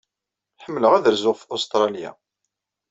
Ḥemmleɣ ad rzuɣ ɣef Ustṛalya.